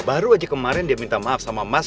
baru aja kemarin dia minta maaf sama mas